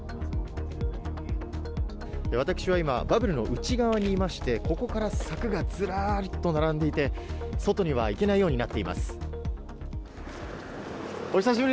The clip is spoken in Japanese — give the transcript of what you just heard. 私は今バブルの内側にいましてここから柵がずらっと並んでいて外には行けないようになっています。